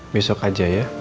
besok aja ya